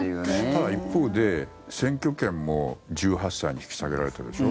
ただ一方で選挙権も１８歳に引き下げられているでしょ？